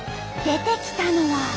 出てきたのは。